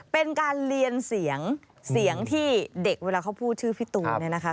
เป็นการเรียนเสียงเสียงที่เด็กเวลาเขาพูดชื่อพี่ตูนเนี่ยนะคะ